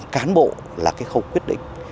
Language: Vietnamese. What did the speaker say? cán bộ là cái khâu quyết định